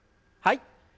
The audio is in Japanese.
はい。